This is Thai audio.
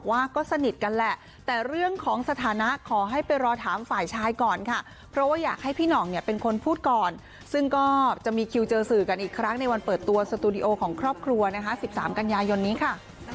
ว่าก็สนิทกันแหละแต่เรื่องของสถานะขอให้ไปรอถามฝ่ายชายก่อนค่ะเพราะว่าอยากให้พี่หน่องเนี่ยเป็นคนพูดก่อนซึ่งก็จะมีคิวเจอสื่อกันอีกครั้งในวันเปิดตัวสตูดิโอของครอบครัวนะคะ๑๓กันยายนนี้ค่ะ